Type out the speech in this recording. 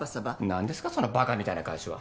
何ですかそのばかみたいな返しは。